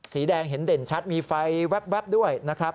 สีแดงเห็นเด่นชัดมีไฟแว๊บด้วยนะครับ